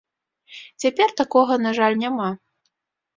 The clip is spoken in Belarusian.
Цяпер такога, на жаль, няма.